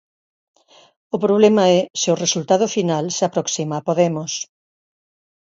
O problema é se o resultado final se aproxima a Podemos.